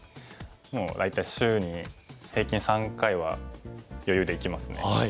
もう大体週に平均３回は余裕で行きますね。